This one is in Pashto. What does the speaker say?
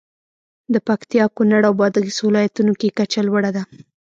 د پکتیا، کونړ او بادغیس ولایتونو کې کچه لوړه ده.